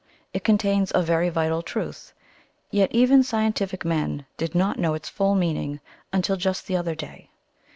It contains a very vital truth, yet even scientific men did not know its full meaning until just the other day.